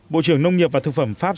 bộ trưởng nông nghiệp và thực phẩm pháp